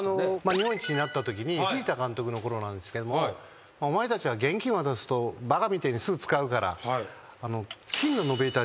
日本一になったときに藤田監督のころなんですけども「お前たちは現金渡すとバカみてえにすぐ使うから」